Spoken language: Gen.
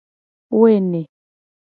Woene.